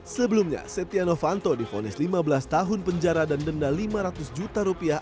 sebelumnya setia novanto difonis lima belas tahun penjara dan denda lima ratus juta rupiah